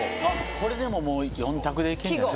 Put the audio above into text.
これでももう４択でいけんじゃない？